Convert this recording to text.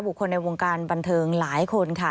คนในวงการบันเทิงหลายคนค่ะ